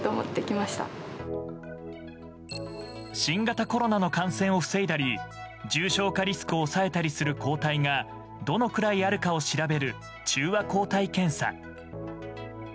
新型コロナの感染を防いだり重症化リスクを抑えたりする抗体が、どのくらいあるかを調べる中和抗体検査。